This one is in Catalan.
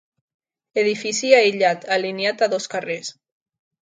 Edifici aïllat, alineat a dos carrers.